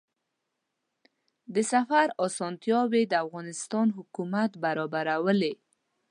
د سفر اسانتیاوې د افغانستان حکومت برابرولې.